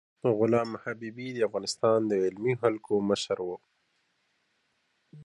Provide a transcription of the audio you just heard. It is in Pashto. علامه حبيبي د افغانستان د علمي حلقو مشر و.